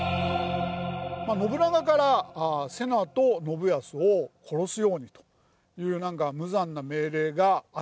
信長から瀬名と信康を殺すようにという無残な命令があったわけです。